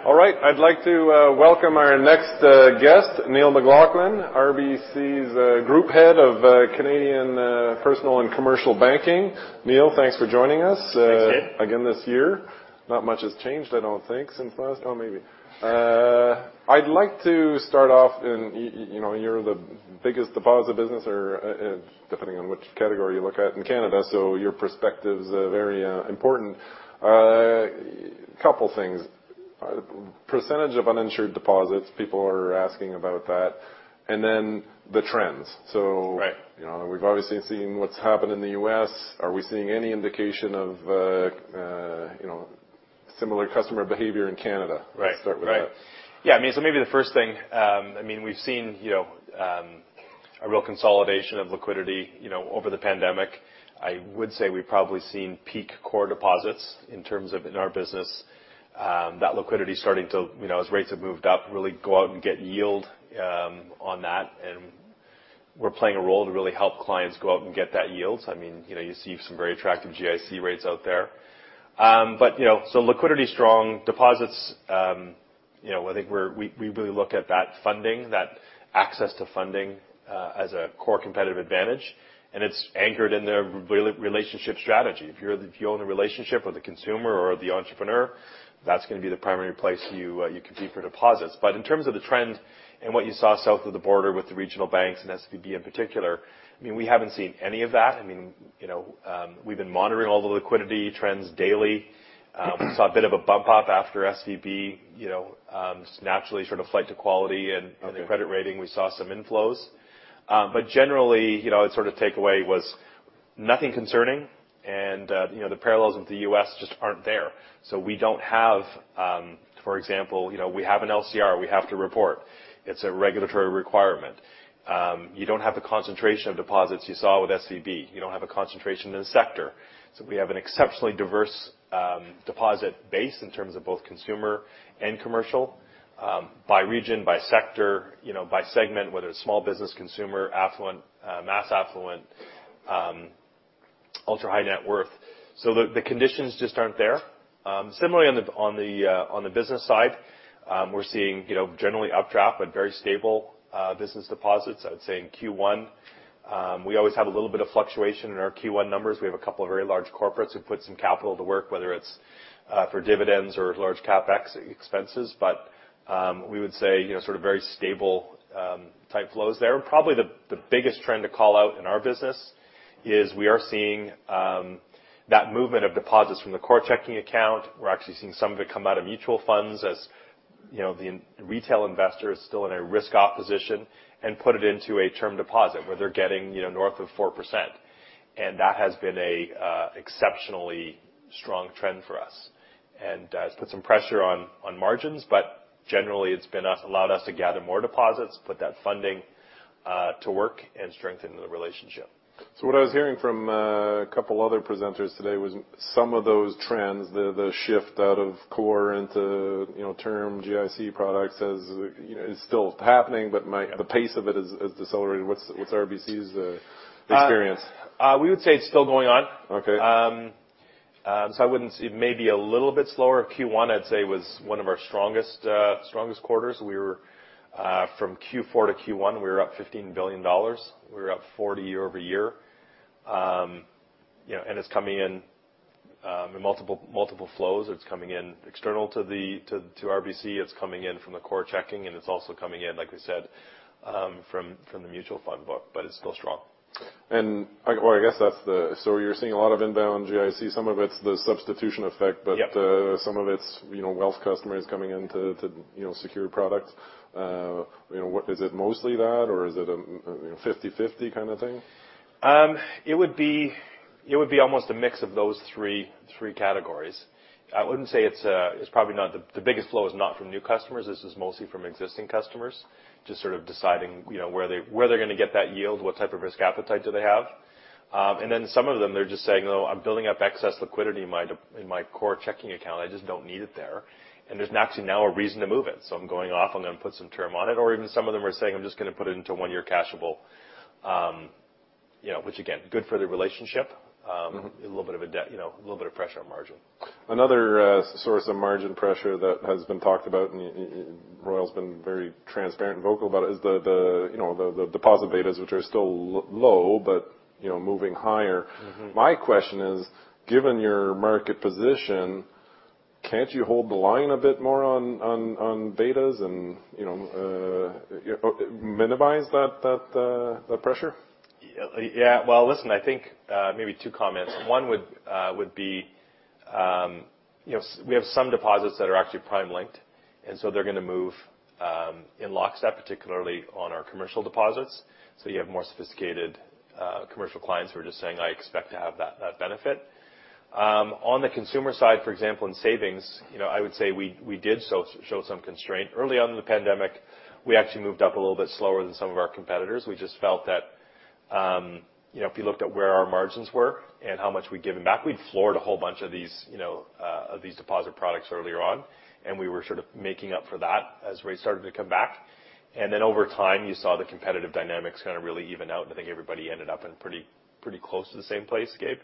All right. I'd like to welcome our next guest, Neil McLaughlin, RBC's Group Head of Canadian Personal and Commercial Banking. Neil, thanks for joining us. Thanks, Gabe Again this year. Not much has changed, I don't think, since last... Oh, maybe. I'd like to start off in you know, you're the biggest deposit business or, depending on which category you look at in Canada, your perspective's very important. Couple things. Percentage of uninsured deposits, people are asking about that, and then the trends. So, Right you know, we've obviously seen what's happened in the U.S. Are we seeing any indication of, you know, similar customer behavior in Canada? Right. Right. Let's start with that. Maybe the first thing, we've seen a real consolidation of liquidity over the pandemic. I would say we've probably seen peak core deposits in terms of in our business. That liquidity is starting to, as rates have moved up, really go out and get yield on that, and we're playing a role to really help clients go out and get that yield. You see some very attractive GIC rates out there. Liquidity strong deposits, I think we really look at that funding, that access to funding, as a core competitive advantage, and it's anchored in the relationship strategy. If you own a relationship with a consumer or the entrepreneur, that's gonna be the primary place you compete for deposits. In terms of the trend and what you saw south of the border with the regional banks and SVB in particular, I mean, we haven't seen any of that. I mean, you know, we've been monitoring all the liquidity trends daily. Saw a bit of a bump up after SVB, you know, naturally sort of flight to quality and the credit rating, we saw some inflows. Generally, you know, the sort of takeaway was nothing concerning, and, you know, the parallels with the U.S. just aren't there. We don't have, for example, you know, we have an LCR we have to report. It's a regulatory requirement. You don't have the concentration of deposits you saw with SVB. You don't have a concentration in the sector. We have an exceptionally diverse deposit base in terms of both consumer and commercial, by region, by sector, you know, by segment, whether it's small business consumer, affluent, mass affluent, ultra-high net worth. The conditions just aren't there. Similarly on the, on the business side, we're seeing, you know, generally updraft, but very stable, business deposits, I'd say in Q1. We always have a little bit of fluctuation in our Q1 numbers. We have a couple of very large corporates who put some capital to work, whether it's for dividends or large CapEx expenses. We would say, you know, sort of very stable type flows there. Probably the biggest trend to call out in our business is we are seeing that movement of deposits from the core checking account. We're actually seeing some of it come out of mutual funds as, you know, the retail investor is still in a risk-off position and put it into a term deposit where they're getting, you know, north of 4%. That has been a exceptionally strong trend for us. It's put some pressure on margins, but generally it's been allowed us to gather more deposits, put that funding to work and strengthen the relationship. What I was hearing from a couple other presenters today was some of those trends, the shift out of core into, you know, term GIC products as, you know, is still happening, but the pace of it has decelerated. What's RBC's experience? We would say it's still going on. Okay. I wouldn't. It may be a little bit slower. Q1, I'd say, was one of our strongest quarters. We were, from Q4 to Q1, we were up 15 billion dollars. We were up 40 year-over-year. You know, it's coming in multiple flows. It's coming in external to RBC, it's coming in from the core checking, it's also coming in, like we said, from the mutual fund book, but it's still strong. or I guess that's the. You're seeing a lot of inbound GIC, some of it's the substitution effect. Yep... but, some of it's, you know, wealth customers coming in to, you know, secure products. You know, Is it mostly that, or is it a 50/50 kind of thing? It would be almost a mix of those three categories. I wouldn't say it's probably not the biggest flow is not from new customers. This is mostly from existing customers, just sort of deciding, you know, where they, where they're gonna get that yield, what type of risk appetite do they have. Then some of them, they're just saying, "Oh, I'm building up excess liquidity in my core checking account. I just don't need it there." There's actually now a reason to move it. I'm going off, I'm gonna put some term on it, or even some of them are saying, "I'm just gonna put it into one year cashable." You know, which again, good for the relationship a little bit of a you know, a little bit of pressure on margin. Another source of margin pressure that has been talked about, and Royal's been very transparent and vocal about it, is the, you know, the deposit betas, which are still low, but, you know, moving higher. My question is, given your market position, can't you hold the line a bit more on betas and, you know, minimize that the pressure? Well, listen, I think, maybe two comments. One would be, you know, we have some deposits that are actually prime linked. They're gonna move, in lockstep, particularly on our commercial deposits. You have more sophisticated, commercial clients who are just saying, "I expect to have that benefit." On the consumer side, for example, in savings, you know, I would say we did so-show some constraint. Early on in the pandemic, we actually moved up a little bit slower than some of our competitors. We just felt that, you know, if you looked at where our margins were and how much we'd given back, we'd floored a whole bunch of these, you know, of these deposit products earlier on, and we were sort of making up for that as rates started to come back. Over time, you saw the competitive dynamics kinda really even out, and I think everybody ended up in pretty close to the same place, Gabe.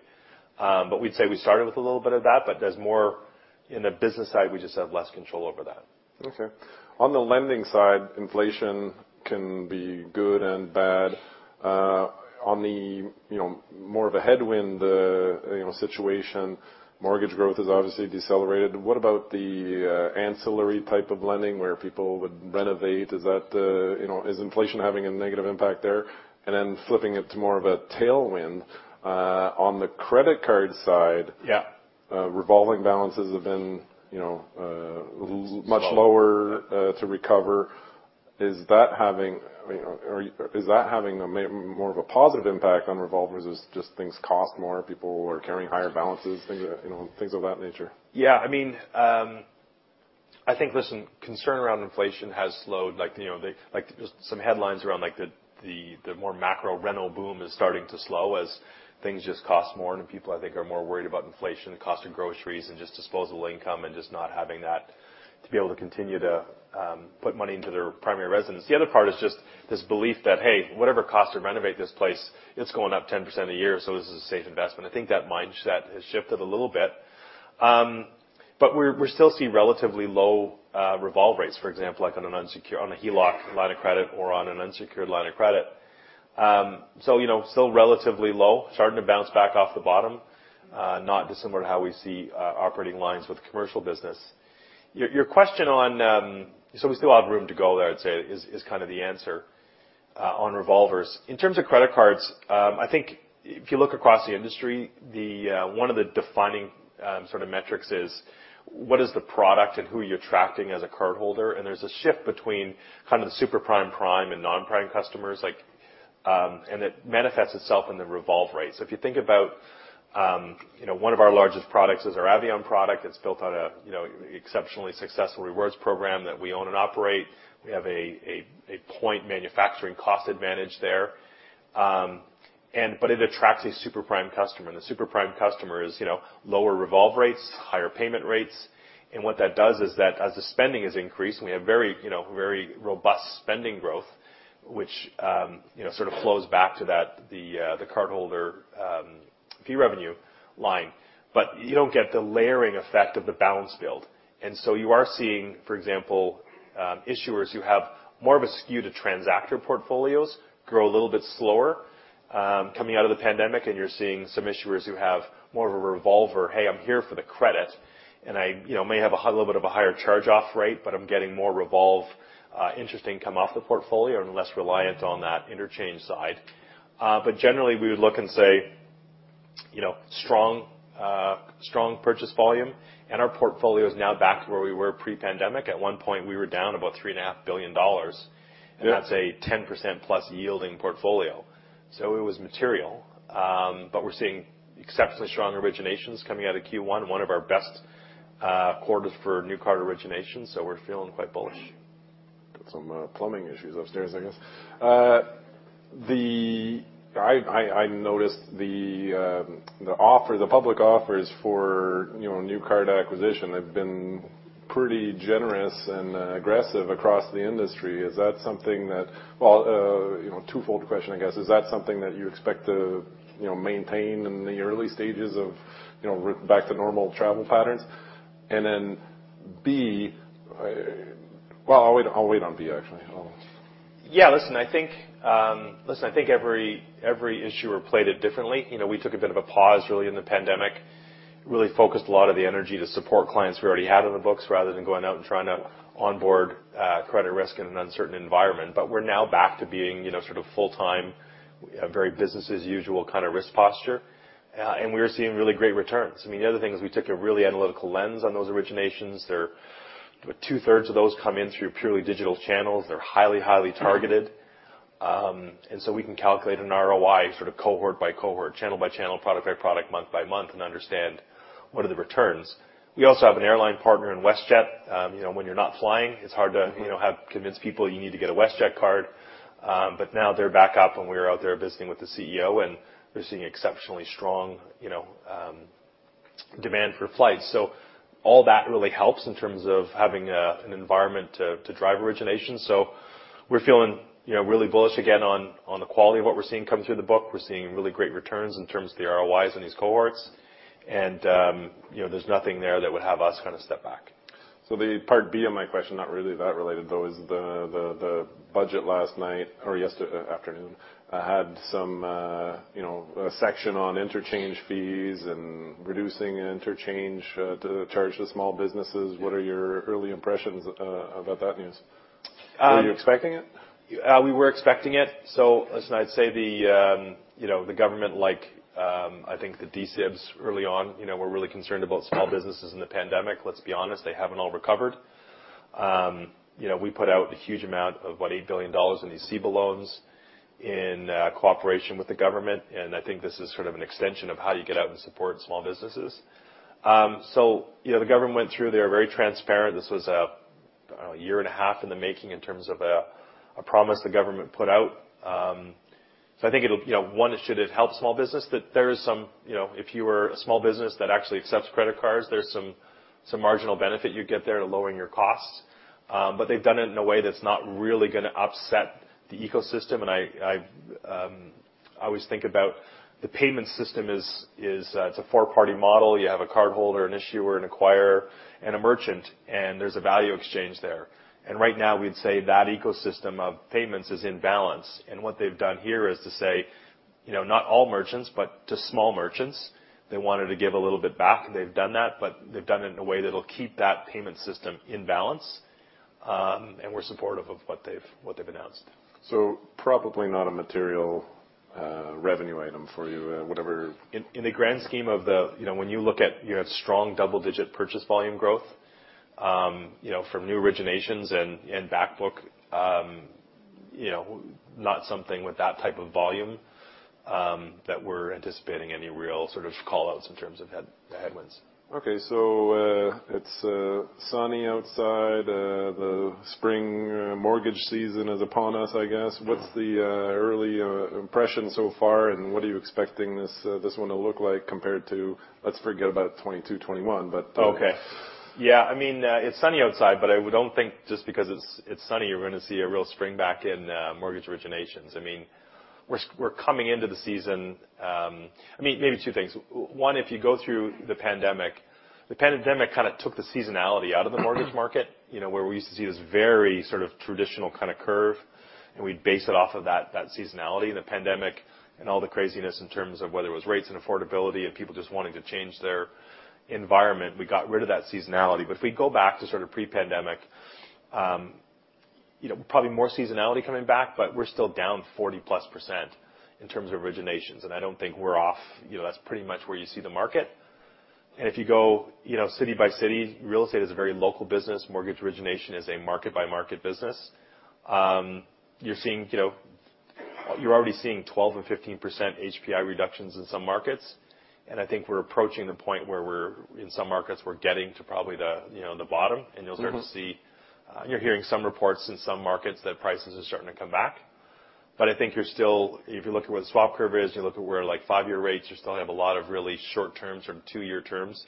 We'd say we started with a little bit of that, but there's more in the business side, we just have less control over that. Okay. On the lending side, inflation can be good and bad. On the, you know, more of a headwind, you know, situation, mortgage growth has obviously decelerated. What about the ancillary type of lending where people would renovate? Is that, you know, is inflation having a negative impact there? Then flipping it to more of a tailwind, on the credit card side. Yeah... revolving balances have been, you know, much lower... Slower... to recover. Is that having, you know, is that having more of a positive impact on revolvers as just things cost more, people are carrying higher balances, things, you know, things of that nature? Yeah. I mean, I think, listen, concern around inflation has slowed. You know, just some headlines around, like, the more macro rental boom is starting to slow as things just cost more, and people, I think, are more worried about inflation, the cost of groceries, and just disposable income, and just not having that to be able to continue to put money into their primary residence. The other part is just this belief that, hey, whatever it costs to renovate this place, it's going up 10% a year, so this is a safe investment. I think that mindset has shifted a little bit. We're still seeing relatively low revolve rates, for example, like on a HELOC line of credit or on an unsecured line of credit. You know, still relatively low. Starting to bounce back off the bottom, not dissimilar to how we see operating lines with commercial business. Your question on. We still have room to go there, I'd say, is kind of the answer on revolvers. In terms of credit cards, I think if you look across the industry, the one of the defining sort of metrics is what is the product and who you're attracting as a cardholder. There's a shift between kind of the super prime, and non-prime customers. Like, it manifests itself in the revolve rate. If you think about, you know, one of our largest products is our Avion product. It's built on a, you know, exceptionally successful rewards program that we own and operate. We have a point manufacturing cost advantage there. It attracts a super prime customer. The super prime customer is, you know, lower revolve rates, higher payment rates. What that does is that as the spending is increased, and we have very, you know, very robust spending growth, which, you know, sort of flows back to that, the cardholder, fee revenue line. You don't get the layering effect of the balance build. You are seeing, for example, issuers who have more of a skew to transactor portfolios grow a little bit slower, coming out of the pandemic, and you're seeing some issuers who have more of a revolver, "Hey, I'm here for the credit, and I, you know, may have a little bit of a higher charge-off rate, but I'm getting more revolve, interest income off the portfolio and less reliant on that interchange side." Generally, we would look and say, you know, strong purchase volume, and our portfolio is now back to where we were pre-pandemic. At one point, we were down about three and a half billion dollars. Yeah. That's a 10% plus yielding portfolio. It was material. We're seeing exceptionally strong originations coming out of Q1, one of our best quarters for new card originations, so we're feeling quite bullish. Got some plumbing issues upstairs, I guess. I noticed the offer, the public offers for, you know, new card acquisition have been pretty generous and aggressive across the industry. Is that something, well, you know, 2-fold question, I guess. Is that something that you expect to, you know, maintain in the early stages of, you know, back to normal travel patterns? Well, I'll wait, I'll wait on B, actually. Yeah. Listen, I think every issuer played it differently. You know, we took a bit of a pause really in the pandemic, really focused a lot of the energy to support clients we already had on the books rather than going out and trying to onboard credit risk in an uncertain environment. We're now back to being, you know, sort of full-time, very business as usual kind of risk posture. We're seeing really great returns. I mean, the other thing is we took a really analytical lens on those originations. They're about two-thirds of those come in through purely digital channels. They're highly targeted. So we can calculate an ROI sort of cohort by cohort, channel by channel, product by product, month by month and understand what are the returns. We also have an airline partner in WestJet. you know, when you're not flying, it's hard to, you know, convince people you need to get a WestJet card. But now they're back up, and we're out there visiting with the CEO, and we're seeing exceptionally strong, you know, demand for flights. All that really helps in terms of having an environment to drive origination. We're feeling, you know, really bullish again on the quality of what we're seeing come through the book. We're seeing really great returns in terms of the ROIs in these cohorts. There's nothing there that would have us kind of step back. The part B of my question, not really that related, though, is the budget last night or afternoon had some, you know, a section on interchange fees and reducing interchange to charge the small businesses. What are your early impressions about that news? Um- Were you expecting it? We were expecting it. Listen, I'd say the, you know, the government, I think the CEBA early on, you know, were really concerned about small businesses in the pandemic. Let's be honest, they haven't all recovered. You know, we put out a huge amount of, what, 8 billion dollars in these CEBA loans in cooperation with the government, and I think this is sort of an extension of how you get out and support small businesses. You know, the government went through. They were very transparent. This was a, I don't know, a year and a half in the making in terms of a promise the government put out. I think it'll, you know, one, it should've helped small business. That there is some, you know, if you were a small business that actually accepts credit cards, there's some marginal benefit you get there to lowering your costs. They've done it in a way that's not really gonna upset the ecosystem. I always think about the payment system is, it's a four-party model. You have a cardholder, an issuer, an acquirer, and a merchant, and there's a value exchange there. Right now we'd say that ecosystem of payments is in balance. What they've done here is to say, you know, not all merchants, but to small merchants, they wanted to give a little bit back, and they've done that, but they've done it in a way that'll keep that payment system in balance. We're supportive of what they've announced. Probably not a material, revenue item for you. In the grand scheme of the... You know, when you look at, you have strong double-digit purchase volume growth, you know, from new originations and back book, you know, not something with that type of volume, that we're anticipating any real sort of call outs in terms of headwinds. Okay. It's sunny outside. The spring mortgage season is upon us, I guess. What's the early impression so far, and what are you expecting this one to look like compared to... let's forget about 2022, 2021, but. Okay. Yeah. I mean, it's sunny outside, but I don't think just because it's sunny, you're gonna see a real spring back in mortgage originations. I mean, we're coming into the season. I mean, maybe two things. One, if you go through the pandemic, the pandemic kind of took the seasonality out of the mortgage market, you know, where we used to see this very sort of traditional kind of curve, and we'd base it off of that seasonality. The pandemic and all the craziness in terms of whether it was rates and affordability and people just wanting to change their environment, we got rid of that seasonality. If we go back to sort of pre-pandemic, you know, probably more seasonality coming back, but we're still down 40-plus percent in terms of originations. I don't think we're off. You know, that's pretty much where you see the market. If you go, you know, city by city, real estate is a very local business. Mortgage origination is a market-by-market business. You're seeing, you know, you're already seeing 12% and 15% HPI reductions in some markets, and I think we're approaching the point where in some markets, we're getting to probably the, you know, the bottom. Mm-hmm. You'll start to see. You're hearing some reports in some markets that prices are starting to come back. I think you're still, if you look at where the swap curve is, you look at where, like, five-year rates, you still have a lot of really short terms from two-year terms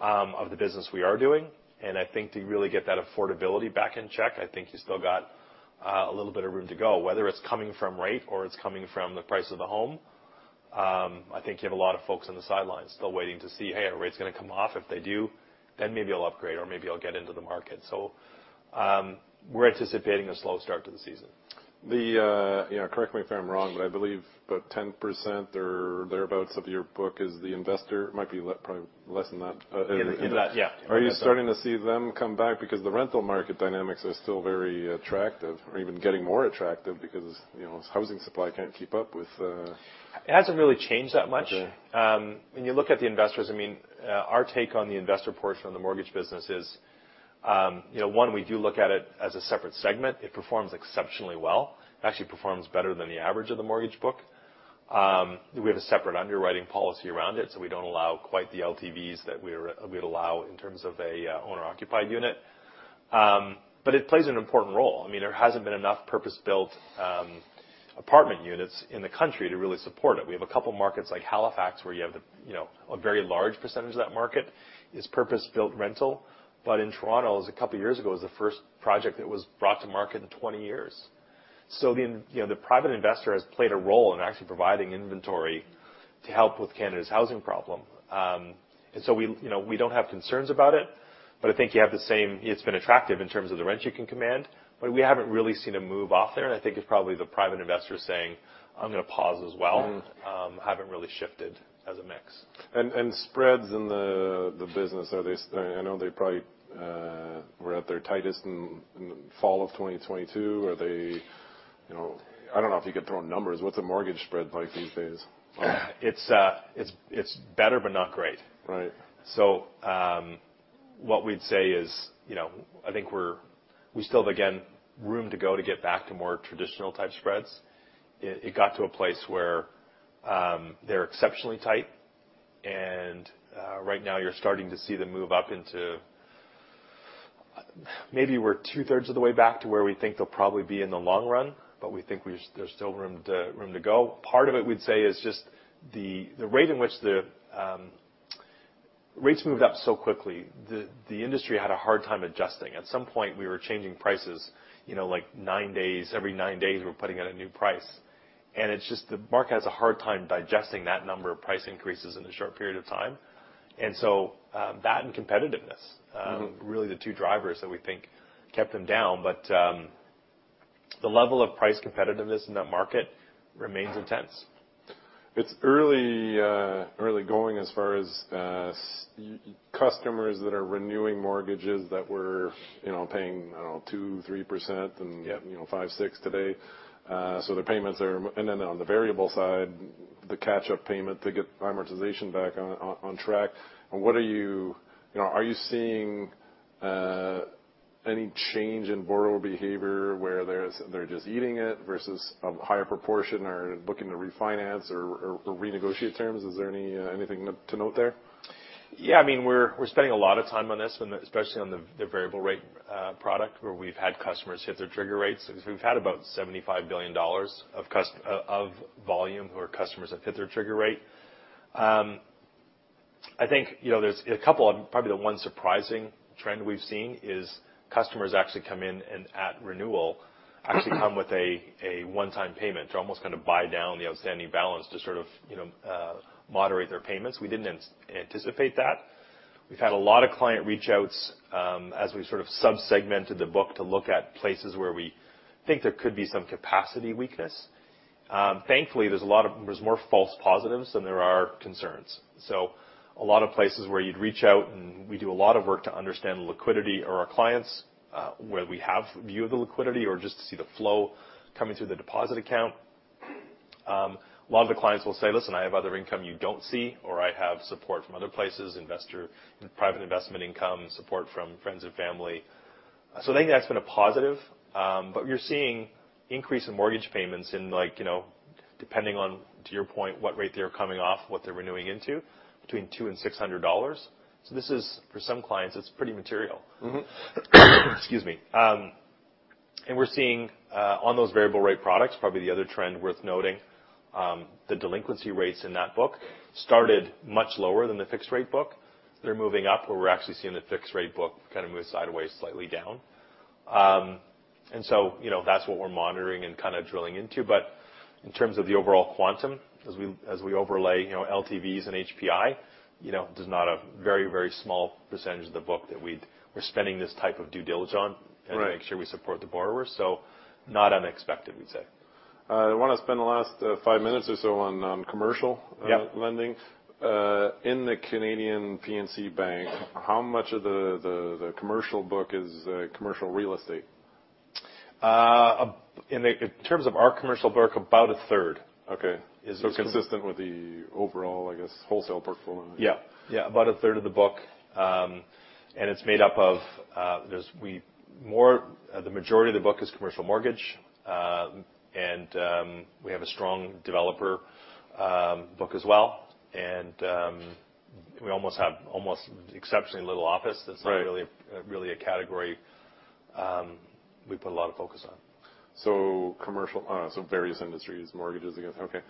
of the business we are doing. I think to really get that affordability back in check, I think you still got a little bit of room to go. Whether it's coming from rate or it's coming from the price of the home, I think you have a lot of folks on the sidelines still waiting to see, "Hey, are rates gonna come off? If they do, then maybe I'll upgrade or maybe I'll get into the market." We're anticipating a slow start to the season. The... You know, correct me if I'm wrong, but I believe about 10% or thereabouts of your book is the investor. Might be probably less than that, but- In that, yeah. Are you starting to see them come back? The rental market dynamics are still very attractive or even getting more attractive because, you know, housing supply can't keep up with. It hasn't really changed that much. Okay. When you look at the investors, I mean, our take on the investor portion of the mortgage business is, you know, one, we do look at it as a separate segment. It performs exceptionally well. Actually performs better than the average of the mortgage book. We have a separate underwriting policy around it, so we don't allow quite the LTVs that we'd allow in terms of a owner-occupied unit. It plays an important role. I mean, there hasn't been enough purpose-built apartment units in the country to really support it. We have a couple markets like Halifax where you have, you know, a very large percentage of that market is purpose-built rental. In Toronto, it was a couple years ago, it was the first project that was brought to market in 20 years. you know, the private investor has played a role in actually providing inventory to help with Canada's housing problem. We, you know, we don't have concerns about it. I think you have the same. It's been attractive in terms of the rent you can command. We haven't really seen a move off there. I think it's probably the private investor saying, "I'm gonna pause as well. Mm-hmm. Haven't really shifted as a mix. Spreads in the business, are they I know they probably were at their tightest in fall of 2022. Are they, you know, I don't know if you can throw numbers. What's the mortgage spread like these days? It's better, but not great. Right. What we'd say is, you know, I think we still have, again, room to go to get back to more traditional type spreads. It got to a place where they're exceptionally tight and right now you're starting to see them move up into... Maybe we're two-thirds of the way back to where we think they'll probably be in the long run, but we think there's still room to go. Part of it, we'd say is just the rate in which the rates moved up so quickly. The industry had a hard time adjusting. At some point, we were changing prices, you know, like nine days. Every nine days we're putting out a new price. It's just the market has a hard time digesting that number of price increases in a short period of time. That and competitiveness really the two drivers that we think kept them down. The level of price competitiveness in that market remains intense. It's early going as far as customers that are renewing mortgages that were, you know, paying, I don't know, 2%, 3% and getting, you know, 5%, 6% today. So the payments are... On the variable side, the catch-up payment to get amortization back on track. What are you... You know, are you seeing any change in borrower behavior where they're just eating it versus a higher proportion are looking to refinance or renegotiate terms? Is there any, anything to note there? Yeah. I mean, we're spending a lot of time on this when, especially on the variable rate product, where we've had customers hit their trigger rates. We've had about 75 billion dollars of volume who are customers that hit their trigger rate. I think, you know, there's a couple of probably the one surprising trend we've seen is customers actually come in and at renewal, actually come with a one-time payment to almost kind of buy down the outstanding balance to sort of, you know, moderate their payments. We didn't anticipate that. We've had a lot of client reach outs, as we sort of sub-segmented the book to look at places where we think there could be some capacity weakness. Thankfully, there's more false positives than there are concerns. A lot of places where you'd reach out, and we do a lot of work to understand the liquidity or our clients, where we have view of the liquidity or just to see the flow coming through the deposit account. A lot of the clients will say, "Listen, I have other income you don't see," or, "I have support from other places, private investment income, support from friends and family." I think that's been a positive. But you're seeing increase in mortgage payments in like, you know, depending on, to your point, what rate they're coming off, what they're renewing into, between 200-600 dollars. This is... for some clients, it's pretty material. Excuse me. We're seeing on those variable rate products, probably the other trend worth noting, the delinquency rates in that book started much lower than the fixed rate book. They're moving up where we're actually seeing the fixed rate book kind of move sideways, slightly down. So, you know, that's what we're monitoring and kinda drilling into. In terms of the overall quantum, as we, as we overlay, you know, LTVs and HPI, you know, there's not a very, very small percentage of the book that we're spending this type of due diligence on. Right. -and make sure we support the borrower. Not unexpected, we'd say. I wanna spend the last five minutes or so on. Yeah. lending. In the Canadian P&C Bank, how much of the commercial book is commercial real estate? In terms of our commercial book, about a third. Okay. Is- Consistent with the overall, I guess, wholesale portfolio. Yeah. Yeah. About a third of the book. The majority of the book is commercial mortgage. We have a strong developer book as well. We almost have exceptionally little office. Right. That's really a category, we put a lot of focus on. Commercial-- so various industries, mortgages, I guess. Okay.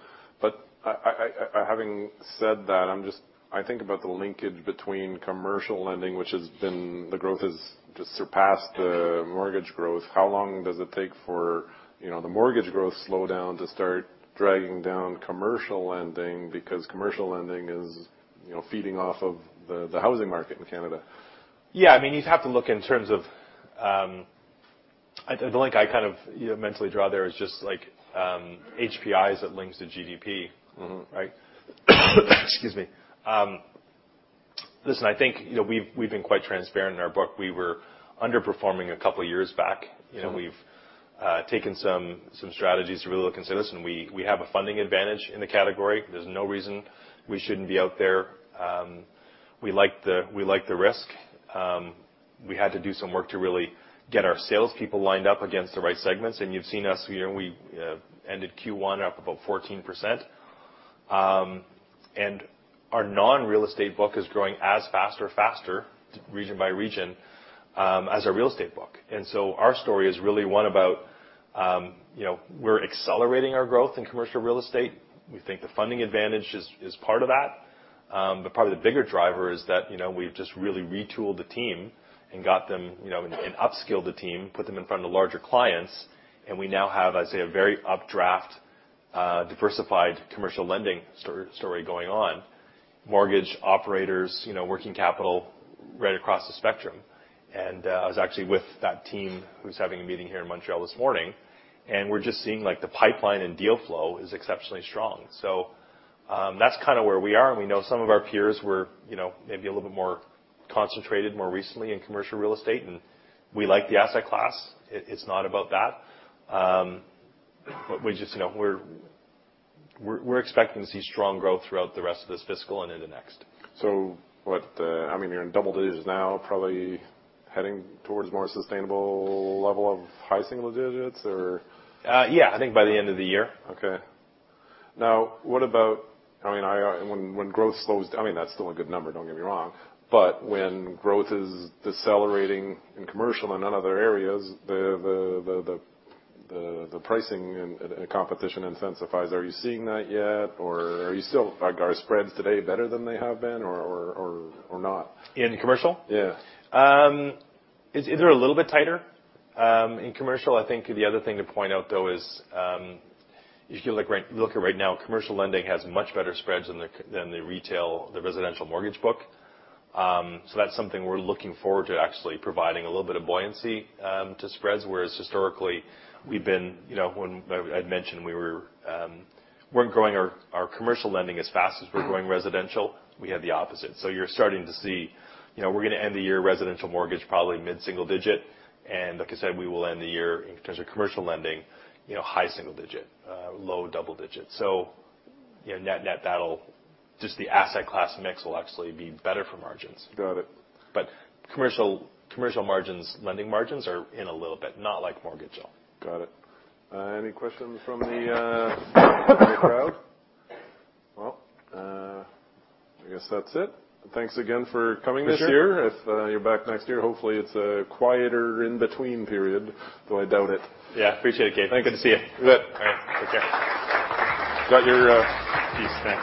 I, having said that, I think about the linkage between commercial lending, the growth has just surpassed the mortgage growth. How long does it take for, you know, the mortgage growth slowdown to start dragging down commercial lending? Commercial lending is, you know, feeding off of the housing market in Canada. Yeah. I mean, you'd have to look in terms of... The link I kind of, you know, mentally draw there is just like, HPIs that links to GDP. Mm-hmm. Right? Excuse me. Listen, I think, you know, we've been quite transparent in our book. We were underperforming a couple of years back. Sure. You know, we've taken some strategies to really look and say, "Listen, we have a funding advantage in the category. There's no reason we shouldn't be out there." We like the risk. We had to do some work to really get our salespeople lined up against the right segments. You've seen us, you know, we ended Q1 up about 14%. Our non-real estate book is growing as fast or faster region by region, as our real estate book. Our story is really one about, you know, we're accelerating our growth in commercial real estate. We think the funding advantage is part of that. Probably the bigger driver is that, you know, we've just really retooled the team and got them, you know, and upskilled the team, put them in front of larger clients, and we now have, I'd say, a very updraft, diversified commercial lending story going on. Mortgage operators, you know, working capital right across the spectrum. I was actually with that team who's having a meeting here in Montreal this morning, and we're just seeing, like, the pipeline and deal flow is exceptionally strong. That's kinda where we are. We know some of our peers were, you know, maybe a little bit more concentrated more recently in commercial real estate, and we like the asset class. It's not about that. We just, you know, we're expecting to see strong growth throughout the rest of this fiscal and into next. What... I mean, you're in double digits now, probably heading towards more sustainable level of high single digits or? Yeah, I think by the end of the year. Okay. Now, what about, I mean, I when growth slows, I mean, that's still a good number, don't get me wrong. When growth is decelerating in commercial and in other areas, the pricing and competition intensifies. Are you seeing that yet? Are you still? Are spreads today better than they have been or not? In commercial? Yeah. is they're a little bit tighter in commercial. I think the other thing to point out, though, is if you look at it right now, commercial lending has much better spreads than the, than the retail, the residential mortgage book. That's something we're looking forward to actually providing a little bit of buoyancy to spreads, whereas historically we've been, you know, when I'd mentioned we weren't growing our commercial lending as fast as we're growing residential, we have the opposite. You're starting to see, you know, we're gonna end the year residential mortgage probably mid-single digit. Like I said, we will end the year in terms of commercial lending, you know, high single digit, low double digit. You know, net-net, that'll just the asset class mix will actually be better for margins. Got it. Commercial margins, lending margins are in a little bit, not like mortgage though. Got it. Any questions from the crowd? Well, I guess that's it. Thanks again for coming this year. For sure. You're back next year, hopefully it's a quieter in-between period, though I doubt it. Yeah. Appreciate it, Gabe. Thank you. Good to see you. You bet. All right. Take care. Got your. Keys. Thanks.